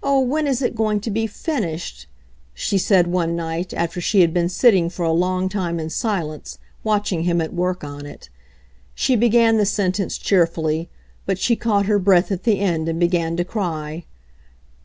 "Oh, when is it going to be finished !" she said one night, after she had been sitting for a long time in silence, watching him at work on it. She began the sentence cheerfully, but she caught her breath at the end and began to cry.